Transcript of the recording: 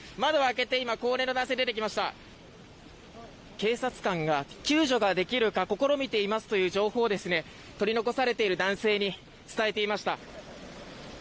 警察官が救助ができるか試みていますという情報を取り残されている男性に伝えていました。